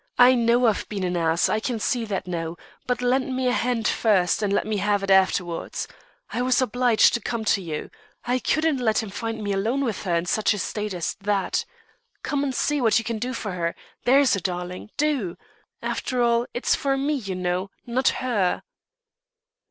I know I've been an ass, I can see that now, but lend me a hand first, and let me have it afterwards. I was obliged to come to you. I couldn't let him find me alone with her in such a state as that. Come and see what you can do for her, there's a darling, do! After all, it's for me, you know, not her."